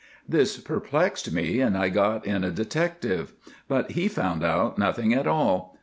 "This perplexed me, and I got in a detective; but he found out nothing at all.